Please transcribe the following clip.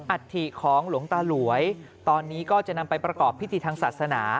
อัฐิของหลวงตาหลวยตอนนี้ก็จะนำไปประกอบพิธีทางศาสนา